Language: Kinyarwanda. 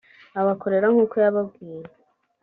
abakorera nk uko yababwiye